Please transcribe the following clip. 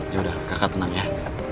yaudah kakak tenang ya